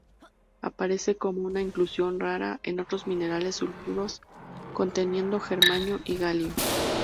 Aparece como una inclusión rara en otros minerales sulfuros conteniendo germanio y galio.